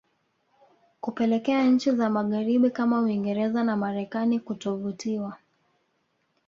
kupelekea nchi za magharibi kama Uingereza na Marekani kutovutiwa